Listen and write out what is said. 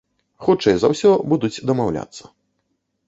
Хутчэй за ўсё, будуць дамаўляцца.